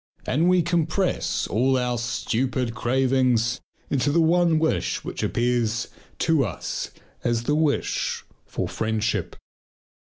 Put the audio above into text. And we compress all our stupid cravings into the one wish which appears to us as the wish for friendship.